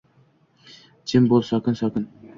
Jim bo‘l, sokin sokin